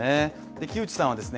木内さんはですね